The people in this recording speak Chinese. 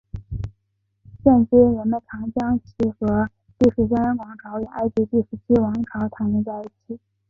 现今人们常将其和第十六王朝与埃及第十七王朝谈论在一起。